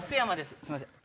すいません。